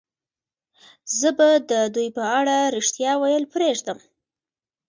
زه به د دوی په اړه رښتیا ویل پرېږدم